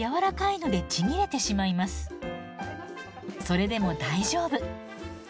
それでも大丈夫。